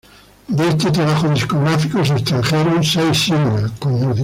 De este trabajo discográfico se extrajeron seis singles.